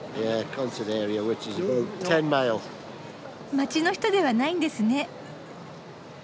街の人ではないんですね。